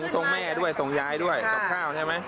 ส่งแม่ด้วยส่งยายด้วยกับข้าวใช่ไหม